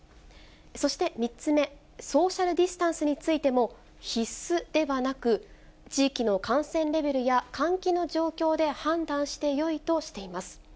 そして３つ目、ソーシャルディスタンスについても、必須ではなく、地域の感染レベルや換気の状況で判断してよいとしています。